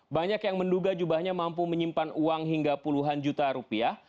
banyak yang menduga jubahnya mampu menyimpan uang hingga puluhan juta rupiah